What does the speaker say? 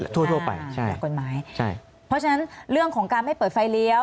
ทั่วทั่วไปใช่กฎหมายใช่เพราะฉะนั้นเรื่องของการไม่เปิดไฟเลี้ยว